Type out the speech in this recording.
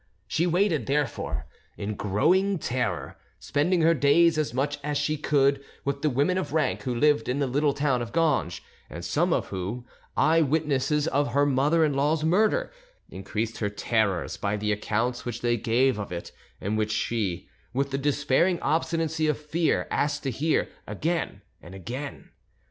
She waited, therefore, in growing terror; spending her days, as much as she could, with the women of rank who lived in the little town of Ganges, and some of whom, eye witnesses of her mother in law's murder, increased her terrors by the accounts which they gave of it, and which she, with the despairing obstinacy of fear, asked to hear again and again.